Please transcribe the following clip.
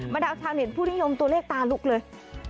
ดาวชาวเน็ตผู้นิยมตัวเลขตาลุกเลย